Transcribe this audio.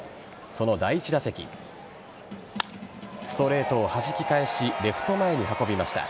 その第１打席ストレートをはじき返しレフト前に運びました。